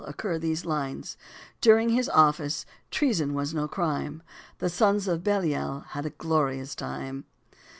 235) occur these lines: "During his office treason was no crime; The sons of Belial had a glorious time."